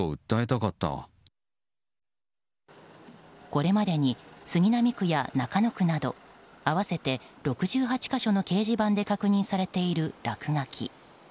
これまでに杉並区や中野区など合わせて６８か所の掲示板で確認されている落書き。